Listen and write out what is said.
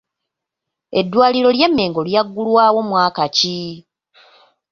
Eddwaliro ly’e Mengo lyaggulwawo mwaki ki?